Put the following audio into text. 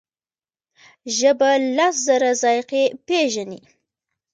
ژبه لس زره ذایقې پېژني.